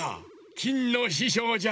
きんのししょうじゃ。